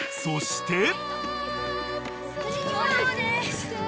［そして］